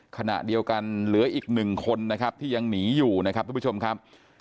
ขณะเดียวกันเหลืออีกหนึ่งคนนะครับที่ยังหนีอยู่นะครับทุกผู้ชมครับ